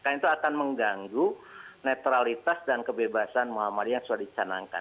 karena itu akan mengganggu netralitas dan kebebasan muhammadiyah yang sudah dicanangkan